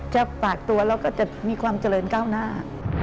ฝากตัวแล้วก็จะมีความเจริญก้าวหน้า